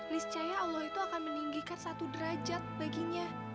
liscaya allah itu akan meninggikan satu derajat baginya